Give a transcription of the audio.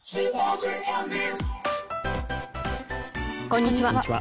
こんにちは。